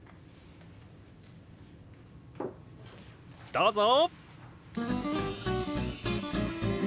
どうぞ！